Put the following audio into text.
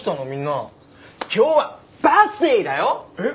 えっ？